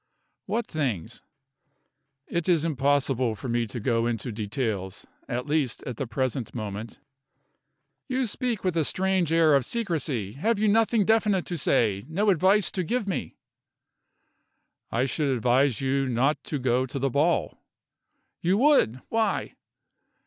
"What things?" "It is impossible for me to go into details at least at the present moment." "You speak with a strange air of secrecy. Have you nothing definite to say no advice to give me?" "I should advise you not to go to the ball." "You would! Why?"